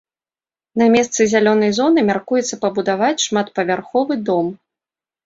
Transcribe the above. На месцы зялёнай зоны мяркуецца пабудаваць шматпавярховы дом.